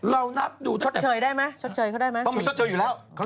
เรานับอยู่ชดเชยได้ไหมชดเชยเขาได้ไหม